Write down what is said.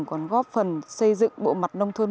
còn góp phần xây dựng bộ mặt nông thôn